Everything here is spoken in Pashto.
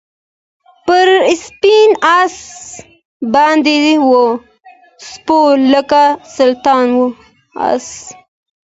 پر سپین آس باندي وو سپور لکه سلطان وو